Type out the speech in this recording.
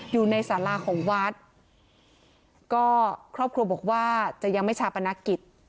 อยู่ในสาราของวัดก็ครอบครัวบอกว่าจะยังไม่ชาปนกิจ